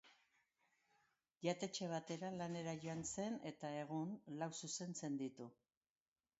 Jatetxe batera lanera joan zen, eta, egun, lau zuzentzen ditu.